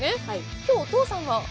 今日お父さんは？